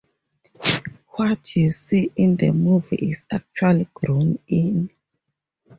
What you see in the movie is actually grown in.